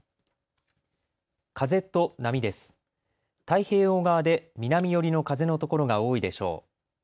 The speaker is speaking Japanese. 太平洋側で南寄りの風のところが多いでしょう。